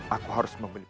aku harus membeli